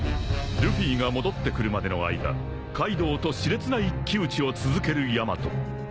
［ルフィが戻ってくるまでの間カイドウと熾烈な一騎打ちを続けるヤマト］